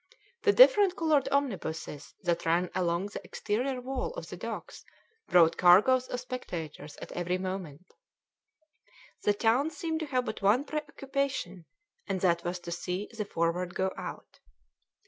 The different coloured omnibuses that ran along the exterior wall of the docks brought cargoes of spectators at every moment; the town seemed to have but one pre occupation, and that was to see the Forward go out.